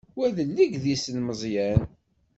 Wa d alegdis n Meẓyan.